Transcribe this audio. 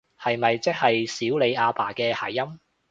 係咪即係少理阿爸嘅諧音？